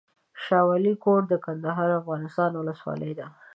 شاه ولي کوټ، کندهار افغانستان ولسوالۍ ده